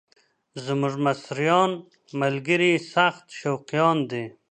زموږ مصریان ملګري یې سخت شوقیان دي.